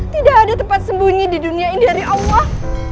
tidak ada tempat sembunyi di dunia ini dari allah